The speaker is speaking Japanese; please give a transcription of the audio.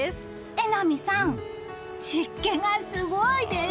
榎並さん、湿気がすごいです。